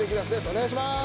お願いします！